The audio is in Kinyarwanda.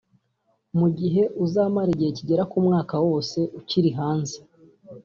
mu gihe uzamara igihe kigera ku mwaka wose ukiri hanze